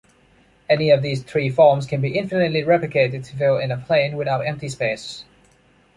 Any of these three forms can be infinitely replicated to fill in a plane without empty spaces.